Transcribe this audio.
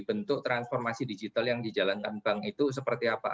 bentuk transformasi digital yang dijalankan bank itu seperti apa